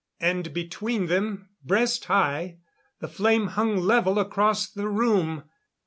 And between them, breast high, the flame hung level across the room.